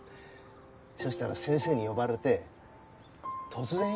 そしたら先生に呼ばれて突然よ？